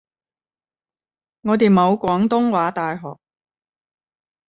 我哋冇廣東話大學